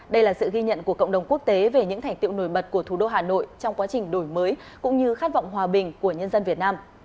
đây là sự ghi nhận của cộng đồng quốc tế về những thành tiệu nổi bật của thủ đô hà nội trong quá trình đổi mới cũng như khát vọng hòa bình của nhân dân việt nam